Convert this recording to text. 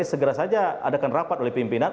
segera saja adakan rapat oleh pimpinan